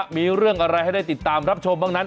มีเรื่องอะไรให้ได้ติดตามรับชมบ้างนั้น